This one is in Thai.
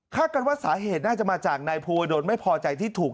กันว่าสาเหตุน่าจะมาจากนายภูวดลไม่พอใจที่ถูก